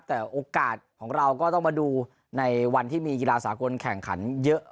แต่โอกาสของเราก็ต้องมาดูในวันที่มีกีฬาสากลแข่งขันเยอะ